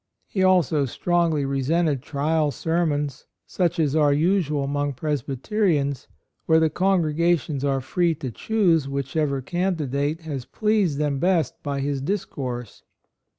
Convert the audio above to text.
He also strongly resented trial sermons, such as are usual among Presbyterians, where the congregations are free to choose whichever candidate has pleased them best by his discourse.